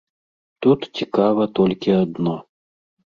Тут цікава толькі адно.